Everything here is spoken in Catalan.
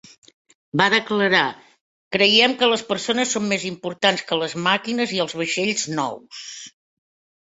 Va declarar: "Creiem que les persones són més importants que les màquines i els vaixells nous".